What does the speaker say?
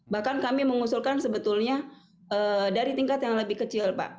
bahkan kami mengusulkan sebetulnya dari tingkat yang lebih kecil pak